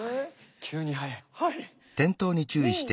急に速い。